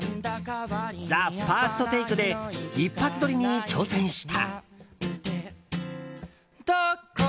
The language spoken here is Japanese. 「ＴＨＥＦＩＲＳＴＴＡＫＥ」で一発撮りに挑戦した。